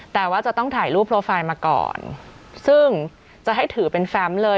แต่ว่าจะต้องถ่ายรูปโปรไฟล์มาก่อนซึ่งจะให้ถือเป็นแฟมเลย